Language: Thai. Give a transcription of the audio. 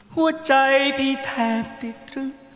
หัวใจพี่แทบติดทุก